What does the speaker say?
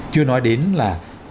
chưa nói đến là